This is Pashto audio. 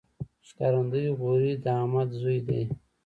ښکارندوی غوري د احمد زوی دﺉ.